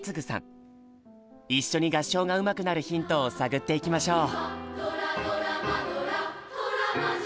一緒に合唱がうまくなるヒントを探っていきましょう！